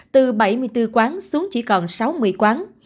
từ bảy mươi bốn quán xuống chỉ còn sáu mươi quán